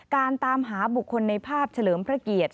ตามหาบุคคลในภาพเฉลิมพระเกียรติ